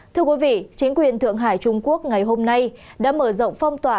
thưa quý vị chính quyền thượng hải trung quốc ngày hôm nay đã mở rộng phong tỏa